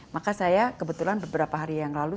maka saya kebetulan beberapa hari yang lalu